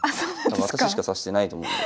私しか指してないと思うので。